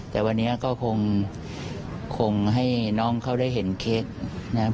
แต่วันนี้ก็คงให้น้องเขาได้เห็นเค้กนะครับ